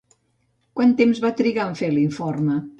Quant temps va trigar en fer l'informe?